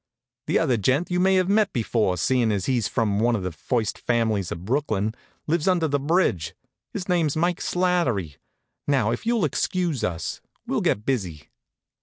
The other gent you may have met before, seein' as he's from one of the first families of Brooklyn lives under the bridge. His name's Mike Slattery. Now, if you'll excuse us, we'll get busy."